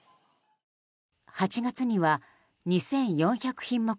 ８月には２４００品目